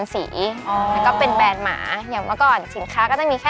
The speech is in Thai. ไม่แต่ต้องบอกว่าโดดเด่นมาก